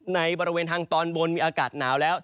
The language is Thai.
ในบริเวณทางตอนบนมีอากาศหนาวแล้ว